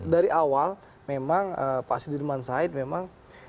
dari awal memang pak sudirman said memang